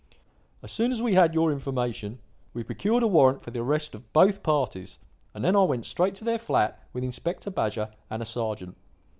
"As soon as we had your information, we procured a warrant for the arrest of both parties, and then I went straight to their flat with Inspector Badger and a sergeant.